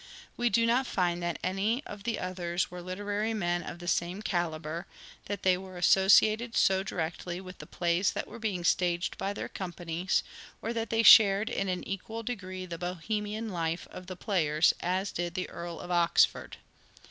We do not find that any of the others were literary men of the same calibre, that they were associated so directly with the 3i8 " SHAKESPEARE " IDENTIFIED plays that were being staged by their companies, or that they shared in an equal degree the Bohemian life of the players as did the Earl of Oxford.